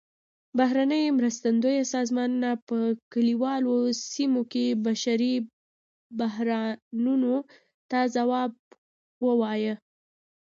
بهرنۍ مرستندویه سازمانونه په کلیوالو سیمو کې بشري بحرانونو ته ځواب ووايي.